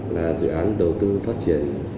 là dự án đầu tư phát triển